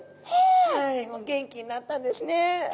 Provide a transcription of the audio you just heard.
はいもう元気になったんですね。